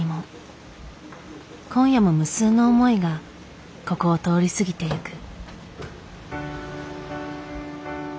今夜も無数の思いがここを通り過ぎていく。